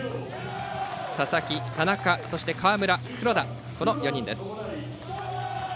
佐々木、田中そして川村、黒田この４人です。